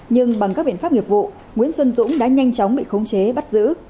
nhưng bằng các biện pháp nghiệp vụ nguyễn xuân dũng đã nhanh chóng bị khống chế bắt giữ